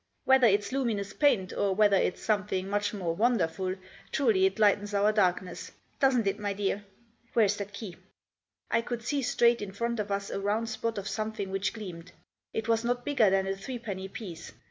Whether it's luminous paint, or whether it's something much more wonderful, truly, it lightens our darkness. Doesn't it, my dear ? Where is that key?" I could see, straight in front of us, a round spot of something which gleamed. It was not bigger than a threepenny piece.